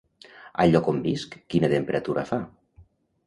Al lloc on visc quina temperatura fa?